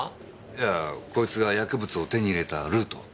いやこいつが薬物を手に入れたルート。